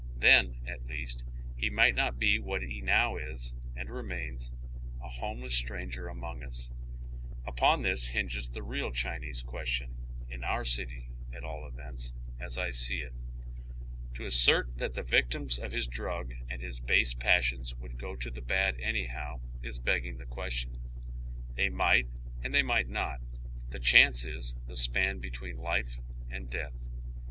Then, at least, he might not be what he now is and remains, a liomeless stranger among us. Upon this hinges the real Chinese question, in our city at oy Google CHINATOWN. 103 all events, aa I see it. To assert that the victims of his drug and his base passions would go to the bad anyhow, ie beting tlie question, Tiiej might and they miglit not. The chance is tbe span between life and death.